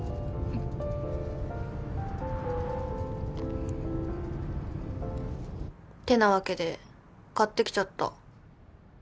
ってなわけで買ってきちゃった。